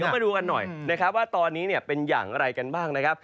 มาดูกันหน่อยนะครับว่าตอนนี้เป็นอย่างไรกันบ้างนะครับ